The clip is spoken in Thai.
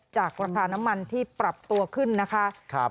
จากราคาน้ำมันที่ปรับตัวขึ้นนะคะ